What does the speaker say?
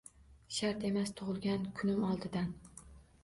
Shart emas, tugʼilgan kunim oldidan